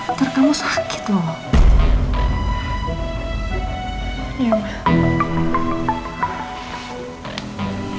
ntar kamu sakit loh